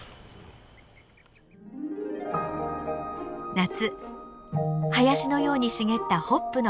夏林のように茂ったホップの畑。